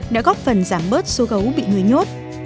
đã góp phần giảm bớt số gấu bị nuôi nhốt